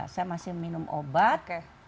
saya masih minum obat